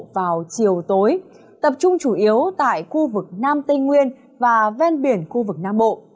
vào chiều tối tập trung chủ yếu tại khu vực nam tây nguyên và ven biển khu vực nam bộ